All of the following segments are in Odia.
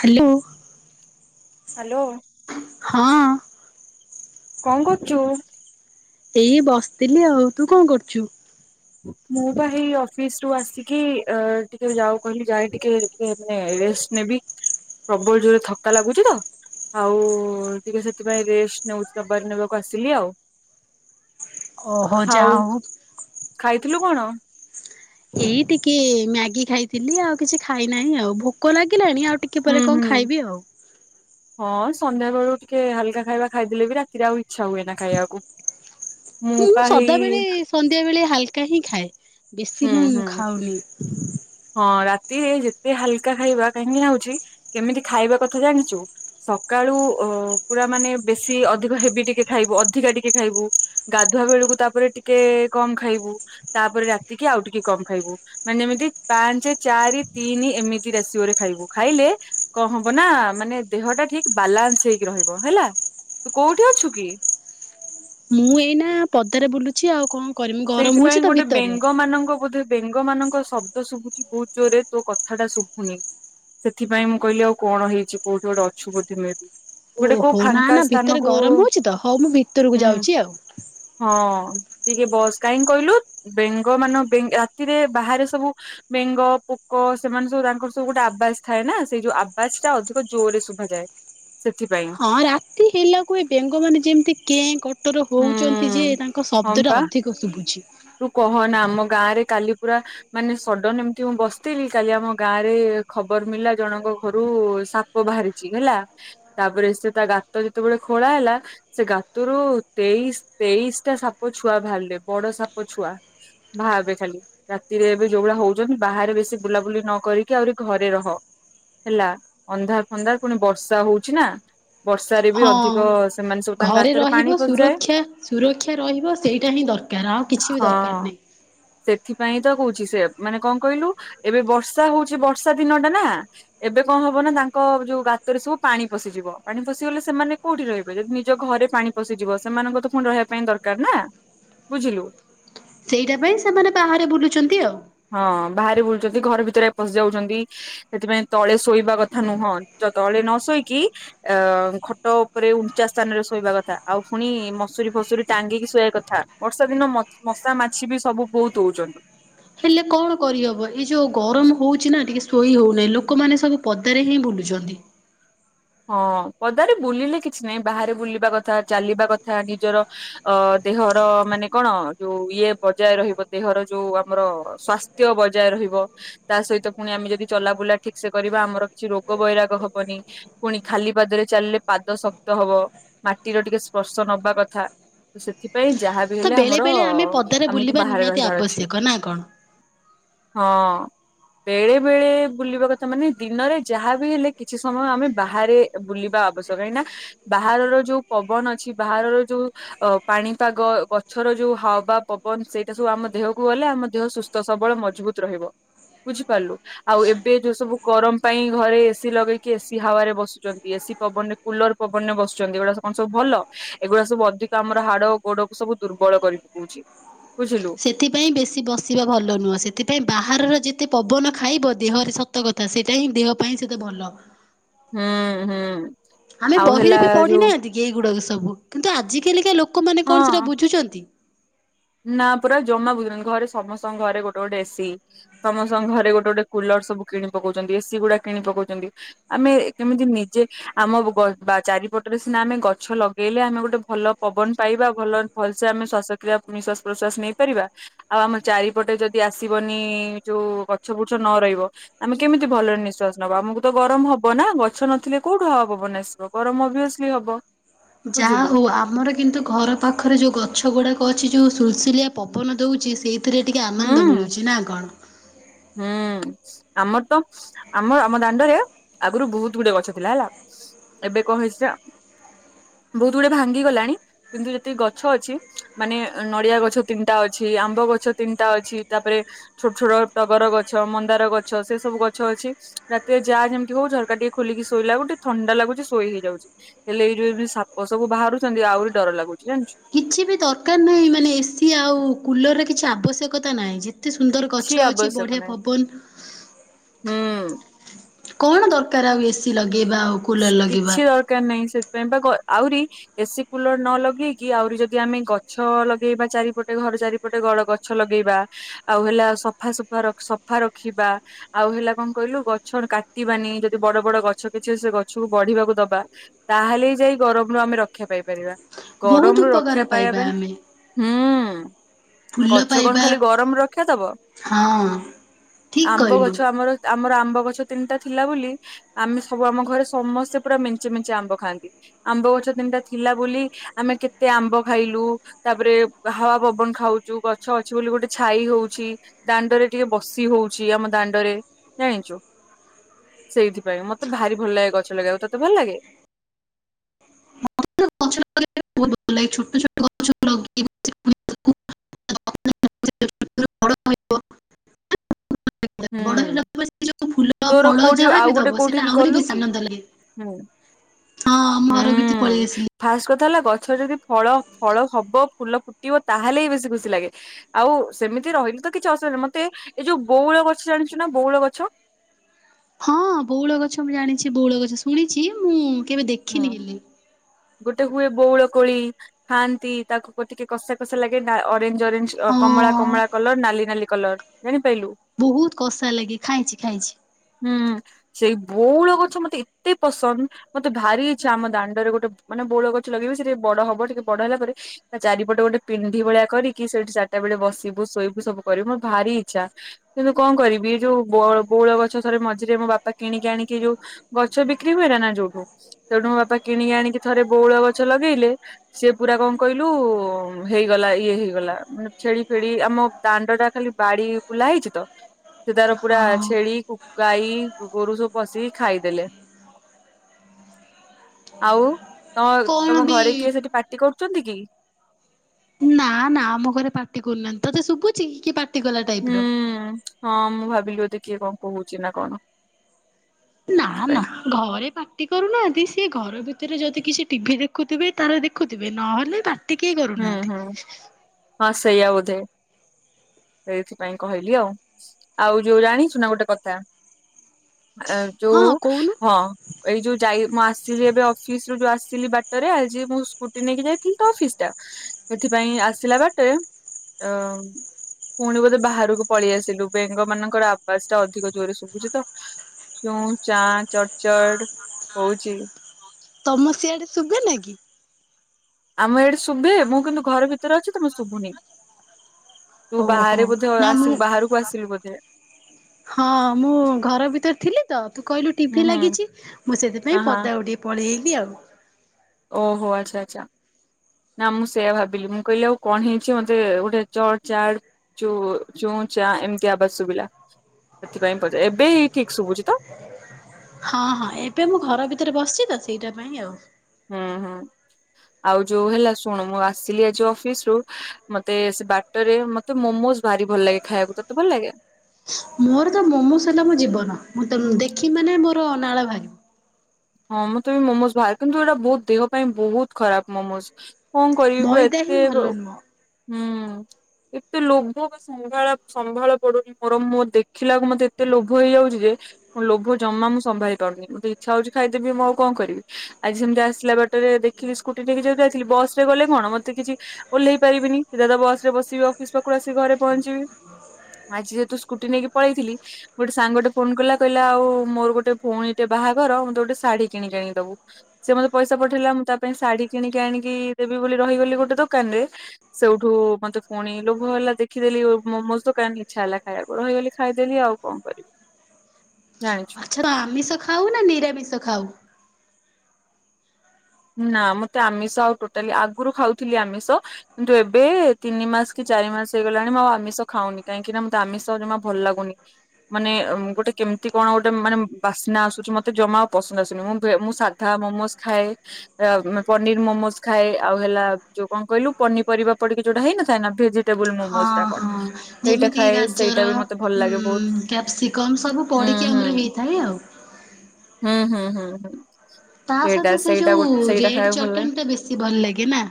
ହ୍ୟାଲୋ। ହ୍ୟାଲୋ। ହଁ। କଣ କରଚୁ? ଏଇ ବସିଥିଲି ଆଉ ତୁ କଣ କରୁଛୁ? ମୁଁ ବା ହେଇ ଅଫିସ ରୁ ଆସିକି ଟିକେ ଯାକୁ କହିଲି ଯାଇ ମୁଁ ହେଇ ପା ଅଫିସ ରୁ ଟିକେ ଟ ରେଷ୍ଟ ନେବି ପ୍ରବଳ ଜୋରରେ ଥକା ଲାଗୁଛି ତ ଆଉ ଟିକେ ସେଥିପାଇଁ ରେଷ୍ଟ ନଉବାର ନେବାକୁ ଆସିଲି ଆଉ। ଓ ହ ଯା ଆଉ ହଉ। ଖାଇଥିଲୁ କଣ? ଏଇ ଟିକେ ମ୍ୟାଗି ଖାଇଥିଲି ଆଉ କିଛି ଖାଇନାହିଁ ଆଉ ଭୋକ ଲାଗିଲାଣି ଆଉ। ଟିକେ ହୁଁ ପରେ କଣ ହୁଁ ଖାଇବି ଆଉ। ହଁ ସନ୍ଧ୍ୟା ବେଳୁ ଟିକେ ହାଲକା ଖାଇବା ଖାଇଦେଲେ ବି ରାତିରେ ଆଉ ଇଚ୍ଛା ହୁଏ ନା ଖାଇବାକୁ। ମୁଁ ପା ହେଇ ସଦାବେଳେ ସନ୍ଧ୍ୟା ବଳେ ହାଲ [unintelligible] ଖାଏ ହୁଁ ବେଶିମୁଁ ହୁଁ ଖାଉନି। ରା ଯେତେ ହାଲକା ଖାଇବା କାହିଁକି ହଉଛି କେମିତି ଖାଇବା କଥା ଜାଣିଛୁ ସକାଳୁ ପୁରା ମାନେ ବେଶୀ ଅଧିକ ହେବ ଟିକେ ଖାଇବୁ ଅଧିକା ଟିକେ ଖାଇବୁ ଗାଧୁଆ ବେଳକୁ ତାପରେ ଟିକେ କମ ଖାଇବୁ ତାପରେ ରାତି ତିକି ଆଉ ଟିକେ କମ ଖାଇବୁ ମାନେ ଯେମିତି ପାଞ୍ଚ ଚାରି ତିନି ଏମିତି ରାସିିଓରେ ଖାଇବୁ ଖାଇଲେ କଣ ହବ ନା ମାନେ ଦେହଟା ଠିକ ବାଲାନ୍ସ ହେଇକି ରହିବ ହେଲା ତୁ କୋଉଠି ଅଛୁ କି? ମୁଁ ଏଇନା ପଦାରେ ବୁଲୁଛି ଆଉ କଣ? କରିମି ଗରମ ହଉଛି ସେଇଥିପାଇଁ ତ ଗୋଟେ ଭିତରେ। ବେଙ୍ଗ ମାନଙ୍କ ବୋଧେ ବେଙ୍ଗ ମାନଙ୍କ ଶବ୍ଦ ଶୁଭୁଛି ବହୁତ ଜୋର ରେ ତୋ କଥା ଟା ଶୁଭୁନି ସେଥିପାଇଁ ମୁଁ କହିଲି ଆଉ କଣ ହେଇଛି କୋଉଠି ଗୋଟେ ଅଛୁ ବୋଦ୍ଧି ମିଳୁ ଓହୋ ନା ନା ଭିତରେ ଗରମ ହଉଛି ତ ହଉ ମୁଁ ଭିତରକୁ ଯାଉଛି ଆଉ। ତିକେ ବସ୍ କାହିଁକି କହିଲୁ ବେଙ୍ଗ ମାନ ରାତିରେ ବାହାରେ ସବୁ ବେଙ୍ଗ ପୋକ ସେମାନେ ସବୁ ତାଙ୍କର ସବୁ ଗୋଟେ ଆବାସ ଥାଏ ନା ସେଇ ଯୋଉ ଆବାସ ଟା ଅଧିକ ଜୋରରେ ଶୁଭାାଯାଏ। ହଁ ରାତି ହେଲାକୁ ଏ ବେଙ୍ଗ ମାନେ ଯେମିତି କେଁ କଟର ହୁଁ ହଉଛନ୍ତି ଯେ ତାଙ୍କ ହଁ ଶବ୍ଦ ଟା ପା ଅଧିକ ଶୁଭୁଛି। ତୁ କହ ନା ଆମ ଗାଁ ରେ କାଲି ପୁରା ମାନେ ସଡନ ଏମିତି ମୁଁ ବସିଥିଲି କାଲି ଆମ ଗାଁ ରେ ଖବର ମିଳିଲା ଜଣଙ୍କ ଘରୁ ସାପ ବାହାରିଛି ହେଲା ତାପରେ ସେ ତା ଗାତ ଯେତେବେଳେ ଖୋଳା ହେଲା ସେ ଗାତରୁ ତେଇଶ ତେଇଶ ଟା ସାପ ଛୁଆ ବାହାରିଲେ। ବଡ ସାପ ଛୁଆ ବାହା ଏବେ ଖାଲି ରାତିରେ ଏବେ ଯୋଉଭଳିଆ ହଉଛନ୍ତି ବାହାରେ ବେଶୀ ବୁଲାବୁଲି ନ କରିକି ଆହୁରି ଘରେ ରହ ହେଲା ଅନ୍ଧାର ଫଧାର ପୁଣି ବର୍ଷା ହଉଛି ନା। ବର୍ଷାରେ ବି ହଁ ଅଧିକ ସେମାନେ ସବୁ ତାଙ୍କ ଘରେ ଗାତରେ ପାଣି ରହିବ ପଶିଯାଏ ସୁରକ୍ଷା ସୁରକ୍ଷା ରହିବ ସେଇଟା ହିଁ ଦରକାର। ଆଉ କିଛି ବି ହଁ ଦରକାର ନାହିଁ। ସେଠି ପାଇଁ ତ କହୁଛି ସେ ମାନେ କଣ କହିଲୁ ଏବେ ବର୍ଷା ହଉଛି ବର୍ଷା ଦିନଟା ନା ଏବେ କଣ ହବ ନା ତାଙ୍କ ଯୋଉ ଗାତରେ ସବୁ ପାଣି ପଶିଯିବ ପାଣି ପଶିଗଲେ ସେମାନେ କୋଉଠି ରହିବେ ଯଦି ନିଜ ଘରେ ପାଣି ପଶିଯିବ ସେମାନଙ୍କ ତ ପୁଣି ରହିବା ପାଇଁ ଦରକାର ନା। ବୁଝିଲୁ। ସେଇଟା ପାଇଁ ସେମାନେ ବାହାରେ ବୁଲୁଛନ୍ତି ଆଉ। ହଁ ବାହାରି ବୁଲୁଛନ୍ତି ଘର ଭିତରେ ପଶ ଯାଉଛନ୍ତି ସେଥିପାଇଁ ତଳେ ଶୋଇବା କଥା ନୁହଁ ତଳେ ନ ଶୋଇକି ଅ ଖଟ ଉପରେ ଉଞ୍ଚା ସ୍ଥାନରେ ଶୋଇବା କଥା ଆଉ ପୁଣି ମସୁରରିୀ ଫସୁରୀ ଟାଙ୍ଗିକି ଶୋଇବା କଥା ବର୍ଷା ଦିନ ମଶା ମାଛି ବି ସବୁ ବହୁତ ହଉଛନ୍ତି। ହେଲେ କଣ କରିହବ ଏଇ ଯୋଉ ଗରମ ହଉଛି ନା ଟିକେ ଶୋଇ ହଉନାହିଁ ଲୋକମାନେ ସବୁ ପଦାରେ ହିଁ ବୁଲୁଛନ୍ତି। ହଁ ପଦାରେ ବୁଲିଲେ କିଛି ନାହିଁ ବାହାରେ ବୁଲିବା କଥା ଚାଲିବା କଥା ନିଜର ଅ ଦେହର ମାନେ କଣ ଯୋଉ ଇଏ ବଜାୟ ରହିବ ଦେହର ଯୋଉ ଆମର ସ୍ଵାସ୍ଥ୍ୟ ବଜାୟ ରହିବ ତା ସହିତ ପୁଣି ଆମେ ଯଦି ଚଲାବୁଲା ଠିକ ସେ କରିବା ଆମର କିଛି ରୋଗ ବୈରାଗ ହବନି। ପୁଣି ଖାଲି ପାଦରେ ଚାଲିଲେ ପାଦ ଶକ୍ତ ହବ ମାଟିର ଟିକେ ସ୍ପର୍ଶ ନବା କଥା ତ ସେଥିପାଇଁ ଯାହା ତ ବେଳେବେଳେ ଆମେ ପଦାରେ ବୁଲିବା ନିହାତି ରହିବାର ଅଛି ଆବଶ୍ୟକ ନା କଣ? ହଁ ବେଳେ ବେଳେ ବୁଲିବା କଥା ମାନେ ଦିନରେ ଯାହା ବି ହେଲେ କିଛି ସମୟ ଆମେ ବାହାରେ ବୁଲିବା ଆବଶ୍ୟକ କାହିଁ ନା ବାହାରର ଯୋଉ ପବନ ଅଛି ବାହାରର ଯୋଉ ପାଣିପାଗ ଗଛର ଯୋଉ ହାୱା ପବନ ସେଇଟା ସବୁ ଆମ ଦେହକୁ ଗଲେ ଆମ ଦେହ ସୁସ୍ଥ ସବଳ ମଜବୁତ ରହିବ ବୁଝିପାରିଲୁ ଆଉ ଏବେ ଯୋଉ ସବୁ ଗରମ ପାଇଁ ଘରେ ଏସିି ଲଗେଇକି ଏସି ହାୱା ରେ ବସୁଛନ୍ତି ଏସି ପବନରେ କୁଲର ପବନରେ ବସୁଛନ୍ତି ଏଗୁଡା କଣ ସବୁ ଭଲ ଏଗୁଡା ସବୁ ଅଧିକ ଆମର ହାଡ ଗୋଡ କୁ ସବୁ ଦୁର୍ବଳ କରି ପକଉଛି। ବୁଝିଲୁ ସେଥିପାଇଁ ବେଶୀ ବସିବା ଭଲ ନୁହଁ ସେଥିପାଇଁ ବାହାରର ଯେତେ ପବନ ଖାଇବ ଦେହରେ ସତ କଥା ସେଇଟା ହିଁ ଦେହ ପାଇଁ ସେତେ ଭଲ। ହୁଁ ହୁଁ। ଆମେ ଆଉ ବହିରେ ହେଲା ବି ଯୋଉ ପଢିନାହାନ୍ତିକି ଏଇ ଗୁଡାକ ସ ସବୁ କିନ୍ତୁ ଆଜ କାଲିକା ଲୋକ ଲୋକମାନେ କଣ ହଁ ସେଟା ବୁଝୁଛନ୍ତି। ନା ପରା ଜମା ବୁଝୁନାହାନ୍ତି ଘରେ ସମସ୍ତଙ୍କ ଘରେ ଗୋଟେ ଗୋଟେ ଏସିି ସମସ୍ତଙ୍କ ଘରେ ଗୋଟେ ଗୋଟେ କୁଲର ସବୁ କିଣି ପକଉଛନ୍ତି ଏସିି ଗୁଡା କିଣି ପକାଉଛନ୍ତି ଆମେ କେମିତି ନିଜେ ଆମ ବା ଚାରିପଟରେ ସିନା ଆମେ ଗଛ ଲଗେଇଲେ ଆମେ ଗୋଟେ ଭଲ ପବନ ପାଇବା ଭଲ ଭଲସେ ଆମେ ଶ୍ଵାସକ୍ରିୟା ନିଶ୍ଵାସ ପ୍ରଶ୍ଵାସ ନେଇପାରିବା ଆଉ ଆମ ଚାରିପଟେ ଯଦି ଆସିବନି ଯୋଉ ଗଛ ବୁଛ ନ ରହିବ ଆମେ କେମିତି ଭଲରେ ନିଶ୍ୱାସ ନବା ଆମକୁ ତ ଗରମ ହବ ନା ଗଛ ନଥିଲେ କୋଉଠୁ ହାୱା ପବନ ଆସିବ ଗରମ ଅଭିୟସଲି ହବ। ଯାହା ବୁଝିଲୁ ହଉ ଆମର କିନ୍ତୁ ଘର ପାଖରେ ଯୋଉ ଗଛ ଗୁଡା କରି ଚି ଯୋଉ ସୁଲସୁଳିଆ ପବନ ଦଉଛି। ଏଥିରେ ଟିକେ ଆନନ୍ଦ ହୁଁ। ମିଳୁଛି ନା କଣ? ହୁଁ ଆମର ତ ଆମ ଆମ ଦାଣ୍ଡରେ ଆଗରୁ ବହୁତ ଗୁଡଏ ଗଛ ଥିଲା ହେଲା ଏବେ କଣ ହେଇଛି ବହୁତ ଗୁଡେ ଭାଙ୍ଗି ଗଲାଣି କିନ୍ତୁ ଯେତିକି ଗଛ ଅଛି ମାନେ ନଡିଆ ଗଛ ତିନିଟା ଅଛି ଆମ୍ବ ଗଛ ତିନିଟା ଅଛି ତାପରେ ଛୋଟ ଛୋଟ ଟଗର ଗଛ ମନ୍ଦାର ଗଛ ସେ ସବୁ ଗଛ ଅଛି ରାତିରେ ଯାହା ଯେମିତି ହଉ ଝରକା ଟିକେ ଖୋଲିକି ଶୋଇଲାୁ ଟିକେ ଥଣ୍ଡା ଲାଗୁଛି ଶୋଇ ହେଇଯାଉଛି ହେଲେ ଏଇ ଯୋଉ ସାପ ସବୁ ବାହାରୁଛନ୍ତି ଆହୁରି ଡର ଲାଗୁଛି ଜାଣିଛୁ। କିଛି ବି ଦରକାର ନାହିଁ ମାନେ ଏସିି ଆଉ କୁଲରର କିଛି ଆବଶ୍ୟକତା ନାହିଁ ଯେ ଏତେ ସୁନ୍ଦର କିଛି ଗଛ ଅଛି ଆବଶ୍ୟକ ବଢିଆ ନାହିଁ ପବନ ହୁଁ। କଣ ଦରକାର ଆଉ ଏସିି ଲଗେ ଲଗେଇବା ଆଉ କୁଲର୍ ଲଗେଇବା। କିଛି ଦରକାର ନାହିଁ ସେଥିପାଇଁ ଆହୁରି ଏସି କୁଲର ନ ଲଗେଇକି ଆହୁରି ଯଦି ଆମେ ଗଛ ଲଗେଇବା ଚାରିପଟେ ଘର ଚାରିପଟେ ଗ ଗଛ ଲଗେଇବା ଆଉ ହେଲା ସଫାସଫା ସଫା ରଖିବା ଆଉ ହେଲା କଣ କହିଲୁ ଗଛ କାଟିବାନି ଯଦି ବଡ ବଡ ଗଛ ନି ସେ ଗଛକୁ ବଢିବାକୁ ଦବା ତାହେଲେ ଯାଇ ଗରମରୁ ଆମେ ରକ୍ଷା ପାଇପାରିବା। ବହୁତ ଗରମରୁୁ ଉପକାର ରକ୍ଷା ପାଇବା ପାଇଁ ଆମେ ହୁଁ ଫୁଲ ଗଛ କଣ ପାଇବା ଖାଲି ଗରମରୁ ରକ୍ଷା ଦବ ହଁ ଠିକ ଆମ୍ବ କହିଲୁ ଗଛ ଆମର ଆମର ଆମ୍ବ ଗଛ ତିନିଟା ଥିଲା ବୋଲି ଆମେ ସବୁ ଆମ ଘରେ ସମସ୍ତେ ପୁରା ମେଞ୍ଚେ ମେଞ୍ଚେ ଆମ୍ବ ଖାଆନ୍ତି ଆମ୍ବ ଗଛ ତିନିଟା ଥିଲା ବୋଲି ଆମେ କେତେ ଆମ୍ବ ଖାଇଲୁ ତାପରେ ହାୱା ପବନ ଖାଉଛୁ ଗଛ ଅଛି ବୋଲି ଗୋଟେ ଛାଇ ହଉଛି ଦାଣ୍ଡରେ ଟିକେ ବସି ହଉଛି ଆମ ଦାଣ୍ଡରେ ଜାଣିଛୁ ସେଇଥିପାଇ ମତେ ତେ ଭାରି ଭଲ ଲାଗେ ଗଛ ଲଗେଇବାକୁ ତତେ ଭଲ ଲାଗେ? ମୋତେ ଗଛ ଲଗେଇବାକୁ ବହୁତ ଭଲ ଲାଗେ ଛୋଟ ଛୋଟ ଗଛ ଲଗେଇଛି। ବଡ଼ ହେଇବ ବଡ ହୁଁ ହେଲା ପରେ ସେ ଯୋଉ ଫୁଲ ତୋର ଫଳ କୋଉଠି ଯାହା ବି ଆଉ ଗୋଟେ ଦବ କୋଉଠି ସେଇଟା କି ଆହୁରି ଗଲୁ ବେଶୀ କି ଆନନ୍ଦ ଲାଗେ। ହୁଁ ହଁ ଆମ ଘର ଭିତରୁ ପଳେଇ ହୁଁ ଆସିଲି। ଫାଷ୍ଟ କଥା ହେଲା ଗଛରେ ଯଦି ଫଳ ଫଳ ହବ ଫୁଲ ଫ କିବ ତାହେଲେ ହି ବେଶୀ ଖୁସି ଲାଗେ ଆଉ ସେମିତି ରହିଲି ତ କିଛି ଅସୁବିଧା ମତେ ଏ ଯଉ ବଉଳ ଗ ଗଛ ଜାଣିଛୁ ନା ବଉଳ ଗଛ? ହଁ ବଉଳ ଗଛ ମୁଁ ଜାଣିଛି ବଉଳ ଗଛ ଶୁଣିଛି ମୁଁ କେବେ ହୁଁ ଦେଖିନି ହେଲେ। ଗୋଟେ ହୁଏ ବଉଳ କୋଳି ଖାଆନ୍ତି ତାକୁ ଟିକେ କଷା କଷା ଲାଗେ। ଅରେଞ୍ଜ ଅରେଞ୍ଜ କମଳା ହଁ କମଳା କଲର ନାଲି ନାଲି କଲର ଜାଣିପାରିଲୁ? ବହୁତ କଷା ଲାଗେ ଖାଇଛି ଖାଇଛି। ହୁଁ ସେଇ ବଉଳ ଗଛ ମତେ ଏତେ ପସନ୍ଦ ମତେ ମତେ ଭାରି ଇଚ୍ଛା ଆମ ଦାଣ୍ଡରେ ଗୋଟେ ମାନେ ବଉଳ ଗଛ ଲଗେଇବି ସେକେ ବଡ ହବ ଟିକେ ବଡ ହେଲା ପରେ ତା ଚାରିପଟେ ଗୋଟେ ପିଣ୍ଡି ଭଳିଆ କରିକି ସେଇଠି ଚାରିଟା ବେଳେ ବସିବୁ ଶୋଇବୁ କରିବି ମୋ ଭାରି ଇଚ୍ଛା କିନ୍ତୁ କଣ କରିବି ଏ ଯୋଉ ବଉଳ ଗଛ ରେ ମଝିରେ ମୋ ବାପା କିଣିକି ଆଣିକି ଯୋଉ ଗଛ ବିକ୍ରି ହୁଏ ନା ନା ଯୋଉଠୁ? ତେଠୁ ମୋ ବାପା କିଣିକି ଆଣିକି ଥରେ ବଉଳ ଗଛ ଲଗେଇଲେ ସିଏ ପୁରା କଣ କହିଲୁ ହେଇଗଲା ଇଏ ହେଇଗଲା ମାନେ ଛେଳି ଫେଡି ଆମ ଦାଣ୍ଡ ଟା ଖାଲି ବାଡି ବୁଲା ହେଇଛି ତ ସେ ତାର ପୁରା ହଁ। ଛେଳି ଗାଈ ଗୋରୁ ସବୁ ପଶିି ଖାଇଦେଲେ। ଆଉ ତ କଣ ତମ ବି ଘରେ କିଏ ସେଠି ପାର୍ଟି କରୁଛନ୍ତି କି? ନା ନା ଆମ ଘରେ ପାଟି କରୁନାହାନ୍ତି ତୋତେ ଶୁଭୁଚ କି ପାଟି ପଟିଗଲା ହୁଁ ଟାଇପ୍ର ହଁ ମୁଁ ଭାବିଲି ଏଧ କିଏ କଣ କହୁଛି ନା କଣ? ନା ସେଥିପାଇଁ ଘରେ ପାଟି କରୁନାହାନ୍ତି ସିଏ ଘର ଭିତ ଭିତରେ ଯଦି କିଛି ଟିଭି ଦେଖୁଥିବେ ତାହେ ଦେଖୁଥିବେ ନହେଲେ ବାଟ ଟିକେ ହୁଁ କରୁନାହାନ୍ତି। ହୁଁ ହଁ ସେଇଆ ବୋଧେ ସେଇଥିପାଇଁ କହିଲି ଆଉ ଆଉ ଯୋଉ ଜାଣି ସୁୁନା ଗୋଟେ କଥା ଯୋଉ ହଁ କହୁନୁ ହଁ ଏଇ ଯୋଉ ଯାଇ ମୁଁ ଆସିଲି ଏବେ ଅଫିସ୍ ରୁ ଯୋଉ ଆସିଲି ବାଟରେ ଆଜି ମୁଁ ସ୍କୁଟି ନେଇକି ଯାଇଥିଲି ତ ଅଫିସ୍। ସେଥିପାଇଁ ଆସିଲା ବାଟେ ଅ ପୁଣି ବୋଧେ ବାହାରକୁ ପଳେଇ ଆସିଲୁ ବେଙ୍ଗ ମାନଙ୍କର ଆବାଜ୍ ଟା ଅଧିକ ଜୋରରେ ଶୁଭୁଛି ତ ଚୁଁ ଚାଁ ଚଡ୍ ଚଡ୍ ହଉଚି। ତମ ସିିଆଡେ ଶୁଭେନା କି? ଆମ ଏଠି ଶୁଭେ ମୁଁ କିନ୍ତୁ ଘର ଭିତରେ ଅଛି ତମେ ଶୁଭୁନି। ତୁ ଓହୋ ବାହାରେ ବୋଧେ ନା ଆସିବୁ ମୁଁ ବାହାରକୁ ଆସିଲୁ ବୋଧେ ହଁ ମୁଁ ଘର ଭିତରେ ଥିଲି ତ ତୁ କହିଲୁ ହୁଁ ଟିଭି ହୁଁ ଲାଗିଛି ମୁଁ ହଁ ସେଥିପାଇଁ ହଁ ପଦାକୁ ଟିକେ ପଳେଇଲ୍ ଲି ଆଉ। ଓହୋ ଆଚ୍ଛା ଆଚ୍ଛା ନା ମୁଁ ସେତା ଭାବିଲି ମୁଁ କହିଲି ଆଉ କଣ ହେଇଛି ମତେ ଗୋଟେ ଚଡ୍ ଚାଡ୍ ଚୁ ଚୁଁ ଚାଁ ଏମତି ଆବାଜ୍ ଶୁଭିଲା ସେଥିପାଇଁ ପଚା ଏବେ ଏଇ ଠିକ୍ ଶୁଭୁଛି ତ। ହଁ ହଁ ଏବେ ମୁଁ ଘର ଭିତରେ ବସିଛି ତ ସେଇଟା ପାଇଁ ଆଉ। ହୁଁ ହୁଁ ଆଉ ଯୋଉ ହେଲା ଶୁଣୁ ମୁଁ ଆସିଲି ଆଜି ଅଫିସ୍ ରୁ ମତେ ସେ ବାଟରେ ମତେ ମୋମୋସ୍ ଭାରି ଭଲ୍ ଲାଗେ ଖାଇବାକୁ ତତେ ଭଲ୍ ଲାଗେ? ମୋର ତ ମୋମୋସ୍ ହେଲା ମୋ ଜୀବନ ମୁଁ ତ ଦେଖିଵ୍ ମାନେ ମୋର ନାଳ ଭାରିବ। ହଁ ମୋତେ ବି ମୋମୋଜ୍ ବାହାର କିନ୍ତୁ ଏଇଟା ବହୁତ ଦେହ ପାଇଁ ବହୁତ୍ ଖରାପ୍ ମୋମୋଜ୍। କଣ କରିବି ବା ମଇଦା ହିଁ ଏତେ ଭଲ ହୁଁ ନୁହଁ ଏତେ ଲୋଭ ବା ସମ୍ଭାଳ ସମ୍ଭାଳ ପଡୁନି ମୋର ମୋ ଦେଖିଲାକୁ ମତେ ଏତେ ଲୋଭ ହେଇଯାଉଛି ଯେ ଲୋଭ ଜମା ମୁଁ ସମ୍ଭାଳି ପାରୁନି ମୋତେ ଇଚ୍ଛା ହଉଛି ଖାଇଦେବି ମୁଁ ଆଉ କଣ୍ କରିବି ଆଜି ସେମିତି ଆସିଲା ବାଟରେ ଦେଖିକି ସ୍କୁଟି ନେଇକି ଯଉ ଯାଇଥିଲି ବସ୍ ରେ ଗଲେ କଣ୍ ମତେ କିଛି ଓହ୍ଲେଇ ପାରିବିନି ସିଧା ତ ବସ୍ ରେ ବସିବି ଅଫିସ୍ ପାଖରୁ ଆସିି ଘରେ ପହଞ୍ଚିବି ଆଜି ଯେହେତୁ ସ୍କୁଟି ନେଇକି ପଳେଇଥିଲି ଗୋଟେ ସାଙ୍ଗଟେ ଫୋନ୍ କଲା କହିଲା ଆଉ ମୋର ଗୋଟେ ଭଉଣୀଟେ ବାହାଘର ଗୋଟେ ଶାଢୀ କିଣିକି ଆଣିକି ଦବୁ ସେ ମତେ ପଇସା ପଠେଇଲା ମୁଁ ତା ପାଇଁ ଶାଢୀ କିଣିକି ଆଣିକି ଦେବି ବୋଲି ରହିଗଲି ଗୋଟେ ଦୋକାନ୍ ରେ ସେଉଠୁ ମତେ ପୁଣି ଲୋଭ ହେଲା ଦେଖିଦେଲି ମୋମୋଜ୍ ଦୋକାନ୍ ଇଚ୍ଛା ହେଲା ଖାଇବାକୁ ରହିଗଲି ଖାଇଦେଲି ଆଉ କଣ୍ କରିବି ଜାଣି ଆ ଛଡା ଆମିଷ ଖାଉ ନା ନିରାମିଷ ଖାଉ? ନା ମତେ ଆମିଷ ଆଉ ଟୋଟାଲି ଆଗରୁ ଖାଉଥିଲି ଆମିଷ କିନ୍ତୁ ଏବେ ତିନି ମାସ୍ କି ଚାରି ମାସ୍ ହେଇଗଲାଣି ମୁଁ ଆଉ ଆମିଷ ଖାଉନି କାହିଁକିନା ମତେ ଆମିଷ ଆଉ ଜମା ଭଲ୍ ଲାଗୁନି ମାନେ ଏମ୍ ଗୋଟେ କେମତି କଣ୍ ଗୋଟେ ମାନେ ବାସ୍ନା ଆସୁଛି ମତେ ଜମା ଆଉ ପସନ୍ଦ୍ ଆସୁନି ମୁଁ ବେ ମୁଁ ସାଧା ମୋମୋସ୍ ଖାଏ ଆ ପନିର୍ ମୋମୋଜ୍ ଖାଏ ଆଉ ହେଲା ଯୋଉ କଣ୍ କହିଲୁ ପନିପରିବା ପଡିକି ଯୋଉଟା ହେଇନଥାଏ ନା ଭେଜି ହଁ ହଁ ଯେମିତି ଖାଏ ଗାଜର ସେଇଟା ବି ମତେ ଭଲ ଲାଗେ ବହୁତ ହିମ୍ କ୍ୟାପ୍ସିକମ୍ ସବୁ ହୁଁ ପଡିକି ଆମର ହୁଁ। ହେଇଥାଏ ଆଉ। ହୁଁ ହୁଁ ହୁଁ ହୁଁ। ତା ସେଇଟା ସହିତ ସେ ସେଇଟା ଗୋ ଯୋଉ ସେଇଟା ରେଡ୍ ଖାଇବାକୁ ଭଲ ଲାଗେ। ଚଟନ୍ ଟା ବେଶୀ ଭଲ୍ ଲାଗେ ନା?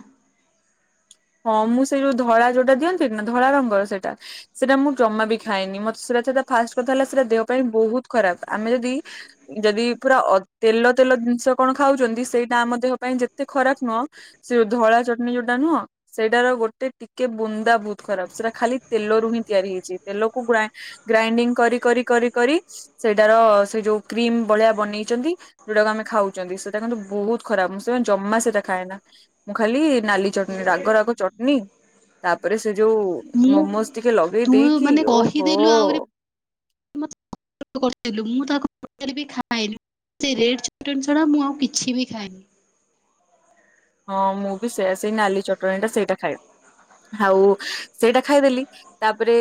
ହଁ ମୁଁ ସେଇ ଯୋଉ ଧଳା ଯୋଉଟା ଦିଅନ୍ତିନି ନା ଧଳା ରଙ୍ଗର ସେଇଟା ସେଟା ମୁଁ ଜମା ବି ଖାଏନି ମତେ ସେଟା ସେଟା ଫାଷ୍ଟ୍ କଥା ହେଲା ସେଟା ଦେହ ପାଇଁ ବହୁତ୍ ଖରାପ୍ ଆମେ ଯଦି ଯଦି ପୁରା ଅ ତେଲ ତେଲ ଜିନିଷ କଣ ଖାଉଛନ୍ତି ସେଇଟା ଆମ ଦେହ ପାଇଁ ଯେତେ ଖରାପ୍ ନୁହଁ ସେ ଯୋଉ ଧଳା ଚଟ୍ନି ଯୋଉଟା ନୁହଁ ସେଇଟାର ଗୋଟେ ଟିକେ ବୁନ୍ଦା ବହୁତ୍ ଖରାପ୍ ସେଟା ଖାଲି ତେଲରୁ ହିଁ ତିଆରି ହେଇଛି ତେଲକୁ ଗ୍ରା ଗ୍ରାଇଣ୍ଡିଙ୍ଗ୍ କରି କରି କରି କରି ସେଇଟାର ସେ ଯୋଉ କ୍ରିମ ଭଳିଆ ବନେଇଛନ୍ତି ଯୋଉଟାକୁ ଆମେ ଖାଉଛନ୍ତି ସେଟା କିନ୍ତୁ ବହୁତ୍ ଖରାପ୍ ମୁଁ ସେ ଜମା ସେଟା ଖାଏନା ମୁଁ ଖାଲି ନାଲି ଚଟଣି ରାଗ ରାଗ ଚଟ୍ନି ତାପରେ ସେ ଯୋଉ ମୁଁ ମୋମୋଜ୍ ଟିକେ ଲଗେଇ ତୁ ଦେଇକି ମାନେ ଓହୋ କହିଦେଲୁ ଆହୁରି [unintelligible] ରେଡ୍ ଚଟ୍ନି ଛଡ଼ା ମୁଁ ଆଉ କିଛି ବି ଖାଏନି। ହଁ ମୁଁ ବି ସେୟା ସେଇ ନାଲି ଚଟଣି ଟା ସେଇଟା ଖାଏ ହାଉ ସେଇଟା ଖାଇଦେଲି ତାପରେ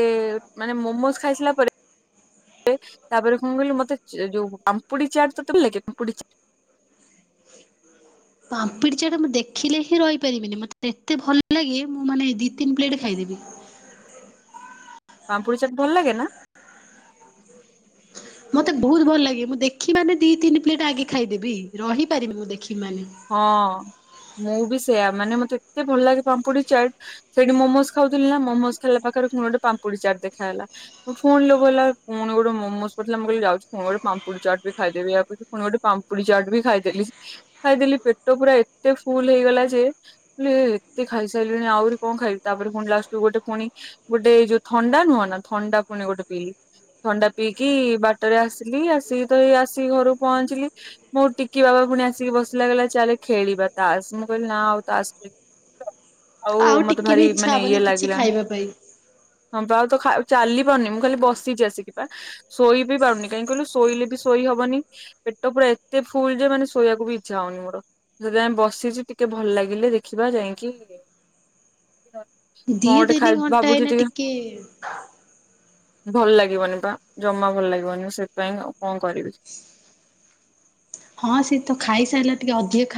ମାନେ ମୋମୋସ୍ ଖାଇସିଲା ପରେ ତାପରେ କଣ କହିଲୁ ମତେ ଯୋଉ ପାମ୍ପୁଡି ଚାଟ୍ ତତେ [unintelligible] ପାମ୍ପିଡ଼ି ଚାଟ୍ ମୁଁ ଦେଖିଲେ ହିଁ ରହିପାରିବିନି ମୋତେ ଏତେ ଭଲ ଲାଗେ ମୁଁ ମାନେ ଦି ତିନି ପ୍ଲେଟ୍ ଖାଇଦେବି। ପାମ୍ପୁଡ଼ି ଚାଟ୍ ଭଲ୍ ଲାଗେ ନା? ମତେ ବହୁତ୍ ଭଲ୍ ଲାଗେ ମୁଁ ଦେଖି ମାନେ ଦି ତିନି ପ୍ଲେଟ୍ ଆଗେ ଖାଇଦେବି ରହିପାରିବିନି ମୁଁ ଦେଖି ମାନେ। ହଁ। ମୁଁ ବି ସେୟା ମାନେ ମତେ ଏତେ ଭଲ୍ ଲାଗେ ପାମ୍ପୁଡି ଚାଟ୍ ସେଇଠି ମୋମୋଜ୍ ଖାଉଥିଲି ନା ମୋମୋଜ୍ ଖାଇଲା ପାଖରେ ପୁଣି ଗୋଟେ ପାମ୍ପୁଡ଼ି ଚାଟ୍ ଦେଖାହେଲା ମୁଁ ପୁଣି ଲୋଭ ହେଲା ପୁଣି ଗୋଟେ ମୋମୋଜ୍ ପଡିଥିଲା ମୁଁ କହିଲି ଯାଉଛି ପୁଣି ଗୋଟେ ପାମ୍ପୁଡ଼ି ଚାଟ୍ ବି ଖାଇଦେବି ଆଉ ପୁଣି ଗୋଟେ ପାମ୍ପୁଡି ଚାଟ୍ ବି ଖାଇଦେଲି। ଖାଇଦେଲି ପେଟ ପୁରା ଏତେ ଫୁଲ୍ ହେଇଗଲା ଯେ ଲେ ଏତେ ଖାଇସାରିଲିଣି ଆହୁରି କଣ ଖାଇଵି ତାପରେ ପୁଣି ଲାଷ୍ଟ୍ କୁ ଗୋଟେ ପୁଣି ଗୋଟେ ଯୋଉ ଥଣ୍ଡା ନୁହଁ ନା ଥଣ୍ଡା ପୁଣି ଗୋଟେ ପିଇଲି ଥଣ୍ଡା ପିଇକି ବାଟରେ ଆସିଲି ଆସିକି ତ ଏଇ ଆସିକି ଘରକୁ ପହଞ୍ଚିଲି ମୋ ଟିକି ବାବା ପୁଣି ଆସିକି ବସ୍ ଲାଗିଲା ଚାଲେ ଖେଳିବା ତାସ୍ ମୁଁ କହିଲି ନା ଆଉ ତାସ୍ ଖେଳି ଆଉ ମତେ ଟିକେ ବି ଭାରି ଇଚ୍ଛା ମାନେ ଇଏ ହବନି କିଛି ଲାଗିଲା ଖାଇବା ପାଇଁ। ହଁ ବା ଆଉ ତ ଖା ଚାଲି ପାରୁନି ମୁଁ ଖାଲି ବସିଛି ଆସିକି ବା ଶୋଇ ବିି ପାରୁନି କାହିଁ କହିଲୁ ଶୋଇଲେ ବି ଶୋଇ ହବନି ପେଟ ପୁରା ଏତେ ଫୁଲ୍ ଯେ ମାନେ ଶୋଇବାକୁ ବି ଚ୍ଛାହଉନି ମୋର ଜେଯାଏ ମ୍ ବସିଚି ଟିକେ ଭଲ୍ ଲାଗିଲେ ଦେଖିବା ଯାଇକି କଣ ଦି ଗୋଟେ ଦିନି ଖାଇ ଘଣ୍ଟା ଏଇନା ଟିକେ ଭଲ୍ ଲାଗିବନି ବା ଜମା ଭଲ୍ ଲାଗିବନି ସେଥିପାଇଁ ଆଉ କଣ୍ କରିବି? ହଁ ସିଏ ତ ଖାଇସାରିଲା ଟିକେ ଅଧିକା ଖା